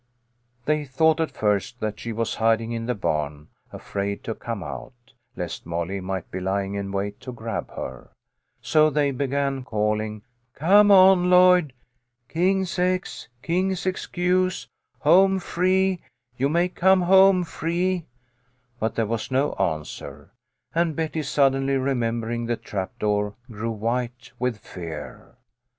THEY thought at first that she was hiding in the barn, afraid to come out, lest Molly might be lying in wait to grab her. So they began calling :" Come on, Lloyd ! King's X ! King's excuse ! Home free 1 You may come home free !" But there was no answer, and Betty, suddenly remembering the trap door, grew white with fear.